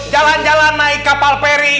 jalan jalan naik kapal feri